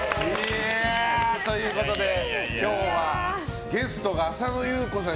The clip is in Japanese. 今日はゲストが浅野ゆう子さん